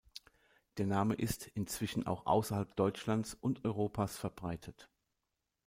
Der Name ist inzwischen auch außerhalb Deutschlands und Europas verbreitet.